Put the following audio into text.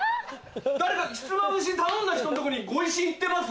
誰かひつまぶし頼んだ人のとこに碁石行ってます？